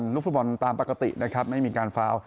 แย่งบอลรุมฟูตบอลตามปกตินะครับไม่มีการฟาย